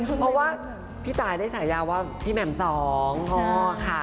เพราะว่าพี่ตายได้ฉายาว่าพี่แหม่มสองค่ะ